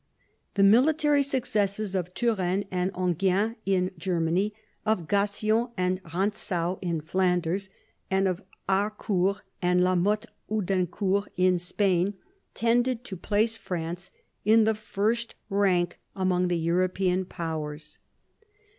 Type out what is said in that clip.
The military successes of Turenne and Enghien in Germany, of Gassion and Kantzau in Flanders, and of Harcourt and of la Mothe Houdancourt in Spain, tended to place France in the first rank among the European powers.